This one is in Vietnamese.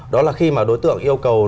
đó là khi mà đối tượng yêu cầu